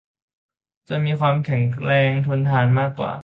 จะมีความแข็งแรงทนทานมากกว่า